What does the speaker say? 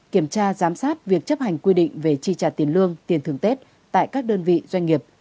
kiểm tra giám sát việc chấp hành quy định về chi trả tiền lương tiền thưởng tết tại các đơn vị doanh nghiệp